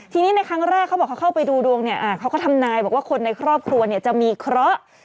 ทีนี้ในครั้งแรกเขาบอกเขาเข้าไปดูดวงเนี่ยเขาก็ทำนายบอกว่าคนในครอบครัวเนี่ยจะมีเคราะห์